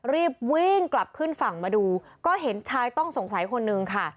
รีบวิ่งกลับขึ้นฝั่งมาดูก็เห็นชายต้องสงสัยคนนึงค่ะ